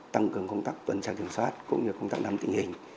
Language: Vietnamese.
tăng cường công tác tuần tra kiểm soát cũng như công tác nắm tình hình